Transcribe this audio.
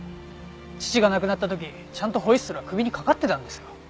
父が亡くなった時ちゃんとホイッスルは首に掛かってたんですよ。